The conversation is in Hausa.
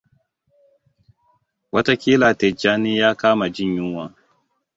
Watakila Tijjani ya kama jin kunya.